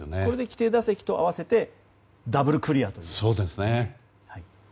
規定打席と合わせてダブルクリアという。